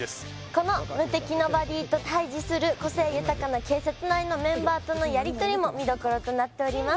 この無敵のバディと対峙する個性豊かな警察内のメンバーとのやりとりも見どころとなっております